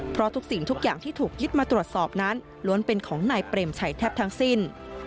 เพราะทุกสิ่งทุกอย่างที่ถูกยึดมาตรวจสอบนั้นล้วนเป็นของนายเปรมชัยแทบทั้งสิ้น